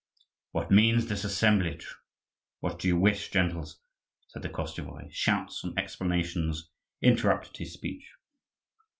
"What means this assemblage? what do you wish, gentles?" said the Koschevoi. Shouts and exclamations interrupted his speech.